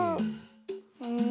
うん。